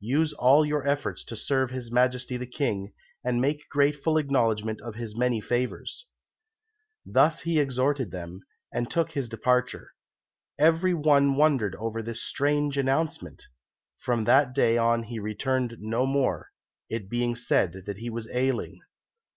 Use all your efforts to serve His Majesty the King, and make grateful acknowledgment of his many favours." Thus he exhorted them, and took his departure. Every one wondered over this strange announcement. From that day on he returned no more, it being said that he was ailing.